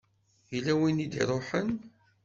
Yella win i d-iṛuḥen.